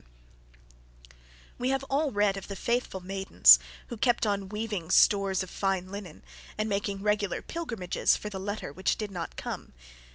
[Sidenote: Faithful Maidens] We have all read of the faithful maidens who kept on weaving stores of fine linen and making regular pilgrimages for the letter which did not come.